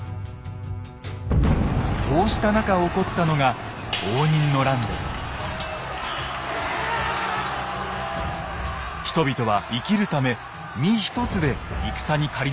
そうした中起こったのが人々は生きるため身一つで戦に駆り出されていきます。